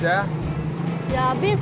ya abis nanya kayak gitu sih